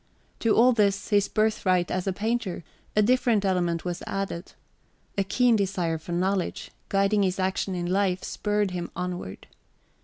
To all this, his birthright as a painter, a different element was added. A keen desire for knowledge, guiding his action in life, spurred him onward.